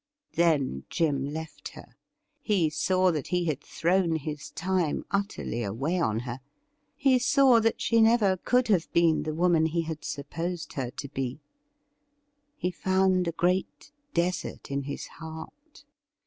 Then Jim left her. He saw that he had thrown his time utterly away on her. He saw that she never could have been the woman he had supposed her to be. He found a gi eat desert in his heart.